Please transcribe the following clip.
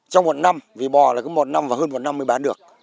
trong một năm vì bò là cứ một năm và hơn một năm mới bán được